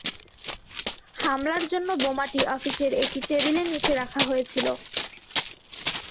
হামলার জন্য বোমাটি অফিসের একটি টেবিলের নিচে রাখা ছিল।